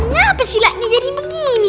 kenapa silatnya jadi begini